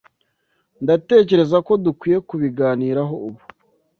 Ndatekereza ko dukwiye kubiganiraho ubu.